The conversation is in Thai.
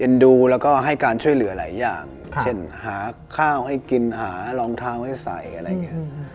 ดูแล้วก็ให้การช่วยเหลือหลายอย่างเช่นหาข้าวให้กินหารองเท้าให้ใส่อะไรอย่างนี้